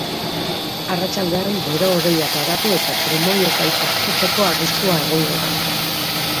Arratsaldean bero-hodeiak garatu eta trumoi-ekaitzak jotzeko arriskua egongo da.